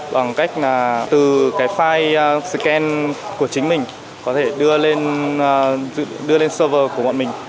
bằng cách là từ cái file scan của chính mình có thể đưa lên server của bọn mình